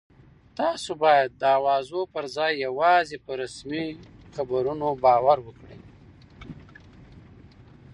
تاسو باید د اوازو پر ځای یوازې په رسمي خبرونو باور وکړئ.